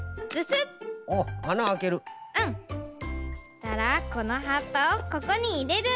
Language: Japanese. そしたらこのはっぱをここにいれる。